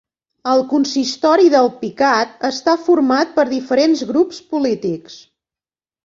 El consistori d'Alpicat està format per diferents grups polítics